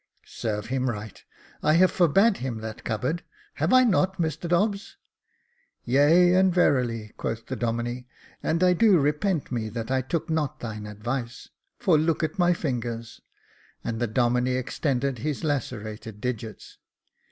" Serve him right; I have forbade him that cupboard. Have I not, Mr Dobbs ?" "Yea, and verily," quoth the Domine, "and I do repent me that I took not thine advice, for look at my fingers ;" and the Domine extended his lacerated digits.